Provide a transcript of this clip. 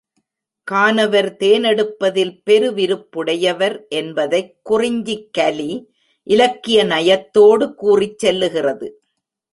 கானவர் தேனெடுப்பதில் பெரு விருப்புடையவர் என்பதைக் குறிஞ்சிக் கலி இலக்கிய நயத்தோடு கூறிச் செல்லுகிறது.